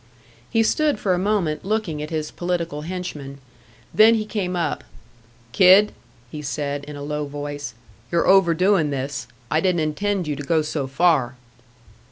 He stood for a moment looking at his political henchman. Then he came up. "Kid," he said, in a low voice, "you're overdoing this. I didn't intend you to go so far."